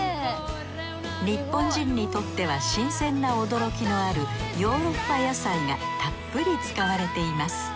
日本人にとっては新鮮な驚きのあるヨーロッパ野菜がたっぷり使われています。